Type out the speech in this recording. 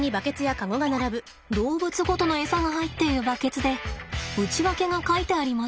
動物ごとのエサが入っているバケツで内訳が書いてあります。